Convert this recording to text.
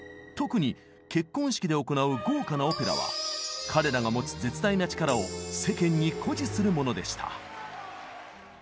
特に結婚式で行う豪華なオペラは彼らが持つ絶大な力を世間に誇示するものでした。